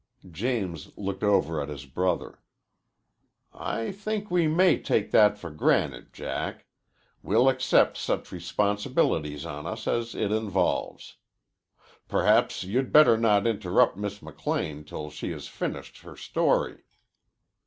James looked at his brother. "I think we may take that for granted, Jack. We'll accept such responsibilities on us as it involves. Perhaps you'd better not interrupt Miss McLean till she has finished her story."